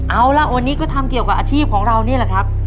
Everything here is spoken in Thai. เอาล่ะวันนี้ก็ทำเกี่ยวกับอาชีพของเรานี่แหละครับ